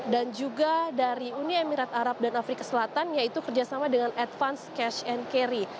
dan juga dari uni emirat arab dan afrika selatan yaitu kerjasama dengan advance cash and carry